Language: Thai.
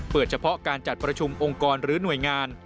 เฉพาะการจัดประชุมองค์กรหรือหน่วยงาน